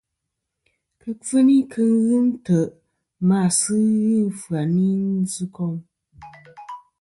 Kɨkfuni ghɨ ntè' ma a sɨ ghɨ ɨfyayn i njɨkom.